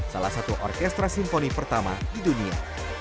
salah satu orkestra simfoni pertama di dunia